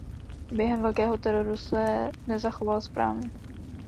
Během velkého teroru se nezachoval správně.